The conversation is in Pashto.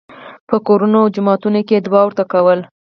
په کورونو او جوماتونو کې یې دعا ورته کوله.